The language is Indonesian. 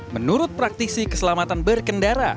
menurut praktisi keselamatan berkendara